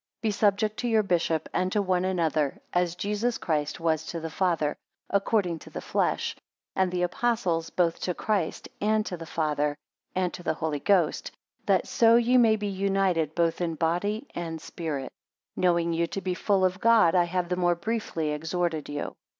6 Be subject to your bishop, and to one another, as Jesus Christ was to the Father, according to the flesh; and the Apostles, both to Christ, and to the Father; and to the Holy Ghost: that so ye may be united both in body and spirit. 7 Knowing you to be full of God, I have the more briefly exhorted you.